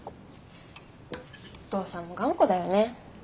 お父さんも頑固だよね。